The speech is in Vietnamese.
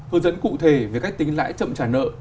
hướng dẫn cụ thể về cách tính lãi chậm trả nợ